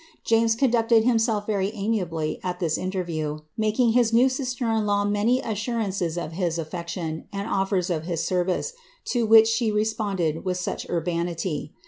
James conducted himself yery amiably at this interview, making his new si8ter in4aw rnaof assurances of his affection and offers of his service, to which die responded with much urbanity.'